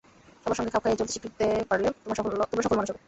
সবার সঙ্গে খাপ খাইয়ে চলতে শিখতে পারলে তোমরা সফল মানুষ হবে।